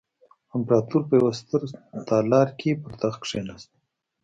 امپراتور په یوه ستر تالار کې پر تخت کېناسته.